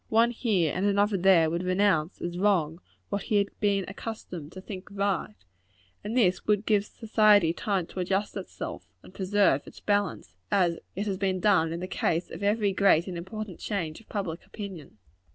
One here, and another there, would renounce, as wrong, what he had been accustomed to think right; and this would give society time to adjust itself, and preserve its balance; as it has done in the case of every great and important change of public opinion.